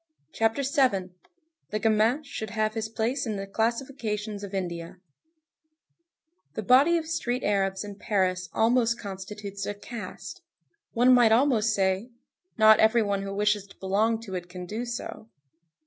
CHAPTER VII—THE GAMIN SHOULD HAVE HIS PLACE IN THE CLASSIFICATIONS OF INDIA The body of street Arabs in Paris almost constitutes a caste. One might almost say: Not every one who wishes to belong to it can do so.